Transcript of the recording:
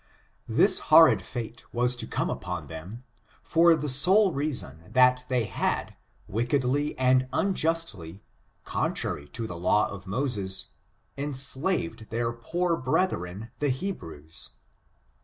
This horrid fate was to come upon them, for the sole reason, that they had, wickedly and unjustly, contrary to the law of Moses, enslaved their poor brethren, the Hebrews.